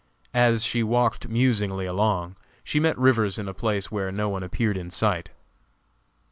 As she walked musingly along, she met Rivers in a place where no one appeared in sight.